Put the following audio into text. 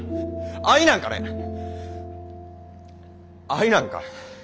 愛なんかね愛なんか。